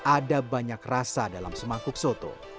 ada banyak rasa dalam semangkuk soto